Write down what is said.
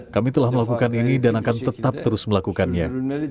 kami telah melakukan ini dan akan tetap terus melakukannya